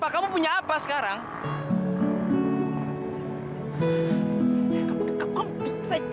kamu kok boleh